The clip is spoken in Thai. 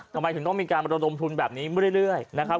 ทำไมถึงต้องมีการบรรดมทุนแบบนี้เรื่อย